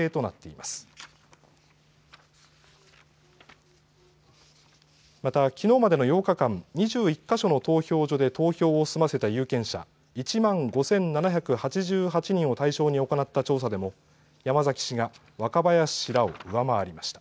また、きのうまでの８日間、２１か所の投票所で投票を済ませた有権者１万５７８８人を対象に行った調査でも山崎氏が若林氏らを上回りました。